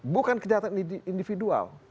bukan kejahatan individual